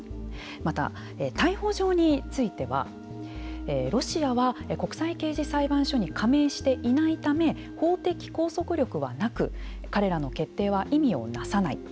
また、逮捕状についてはロシアは国際刑事裁判所に加盟していないため法的拘束力はなく彼らの決定は意味をなさない。